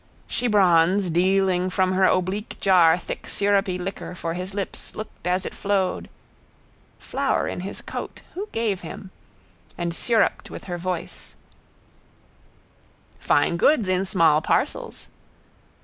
Shebronze, dealing from her oblique jar thick syrupy liquor for his lips, looked as it flowed (flower in his coat: who gave him?), and syrupped with her voice: —Fine goods in small parcels.